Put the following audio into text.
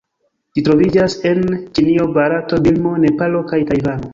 Ĝi troviĝas en Ĉinio, Barato, Birmo, Nepalo kaj Tajvano.